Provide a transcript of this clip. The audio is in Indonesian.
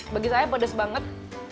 bagi saya pedas banget